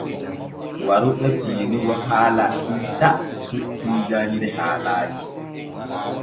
Waru ɓe piinugo haala Iisa puɗɗi jande haalaaji.